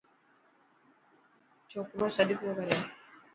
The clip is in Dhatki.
ڇوڪرو سڏ پيو ڪري.